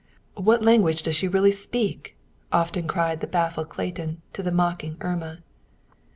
"What language does she really speak?" often cried the baffled Clayton to the mocking Irma.